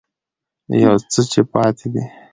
يو څه چې پاتې دي